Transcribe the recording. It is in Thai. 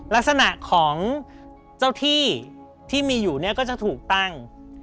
ลักษณะของเจ้าที่ที่มีอยู่เนี่ยก็จะถูกตั้ง